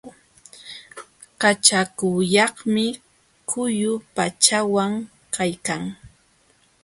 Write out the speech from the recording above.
Kachakukaqmi quyu pachawan kaykan.